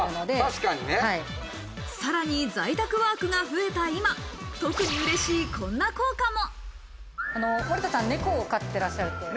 さらに在宅ワークが増えた今、特に嬉しいこんな効果も。